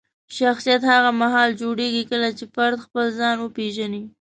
شخصیت هغه مهال جوړېږي کله چې فرد خپل ځان وپیژني.